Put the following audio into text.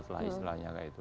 istirahat lah istilahnya